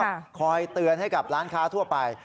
หลักฐานแล้วก็คอยเตือนให้กับร้านค้าทั่วไป